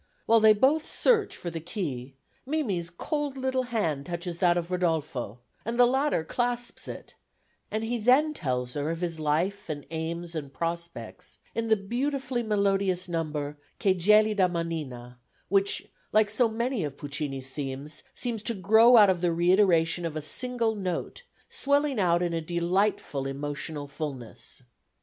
While they both search for the key, Mimi's cold little hand touches that of Rodolfo, and the latter clasps it; and he then tells her of his life and aims and prospects in the beautifully melodious number, Che gelida manina, which, like so many of Puccini's themes, seems to grow out of the reiteration of a single note, swelling out in a delightful emotional fulness.